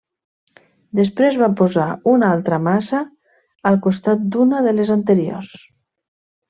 Després va posar una altra massa al costat d'una de les anteriors.